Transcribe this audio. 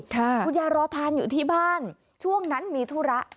คุณยายรอทานอยู่ที่บ้านช่วงนั้นมีธุระ